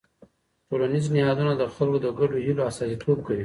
ټولنیز نهادونه د خلکو د ګډو هيلو استازیتوب کوي.